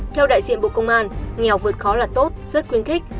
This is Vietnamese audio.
theo đại diện bộ công an nghèo vượt khó là tốt rất khuyến khích